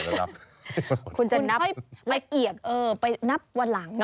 คุณจะนับละเอียดไปนับวันหลัง